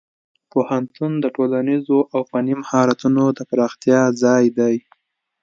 پوهنتون د ټولنیزو او فني مهارتونو د پراختیا ځای دی.